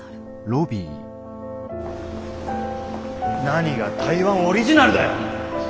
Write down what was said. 何が台湾オリジナルだよ！